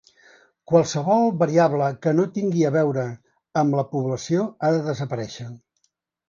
Qualsevol variable que no tinga a veure amb la població ha de desaparèixer.